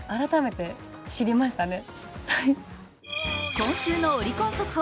今週のオリコン速報。